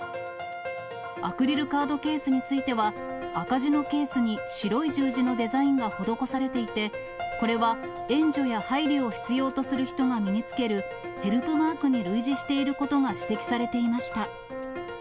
アクリルカードケースについては、赤地のケースに白い十字のデザインが施されていて、これは援助や配慮を必要とする人が身につけるヘルプマークに類似していることが指摘されていました。